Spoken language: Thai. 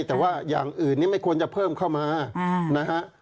แต่ว่าอย่างอื่นนี้ไม่ควรจะเพิ่มเข้ามานะฮะ